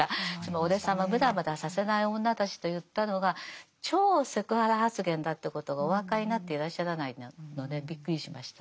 俺様をムラムラさせない女たちと言ったのが超セクハラ発言だということがお分かりになっていらっしゃらないのでびっくりしました。